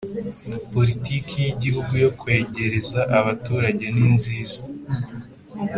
Politiki y Igihugu yo Kwegereza Abaturage ninziza